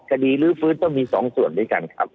ลื้อฟื้นก็มี๒ส่วนด้วยกันครับ